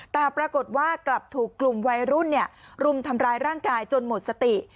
แต่ปรากฏว่ากลับถูกกลุ่มวัยรุ่นรุมทำร้ายร่างกายจนหมดสติ